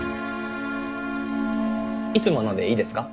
いつものでいいですか？